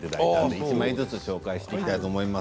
１枚ずつ紹介していきたいと思います。